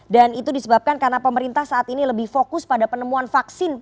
dan itu disebabkan karena pemerintah saat ini lebih fokus pada penemuan vaksin